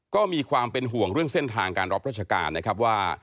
ก็มีความเป็นห่วงเรื่องเส้นทางการรับราชการนะครับว่า